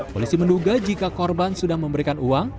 polisi menduga jika korban sudah memberikan uang